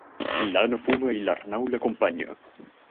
L'Anna fuma i l'Arnau l'acompanya.